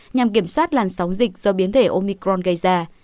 nhằm kiểm soát làn sóng dịch do biến thể omicron gây ra